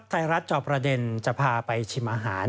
จอบประเด็นจะพาไปชิมอาหาร